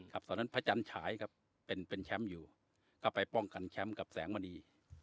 ตอนนั้นพระจันฉายครับเป็นแชมป์อยู่ก็ไปป้องกันแชมป์กับแสงมณี